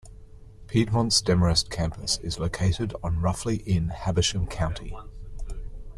Piedmont's Demorest campus is located on roughly in Habersham County.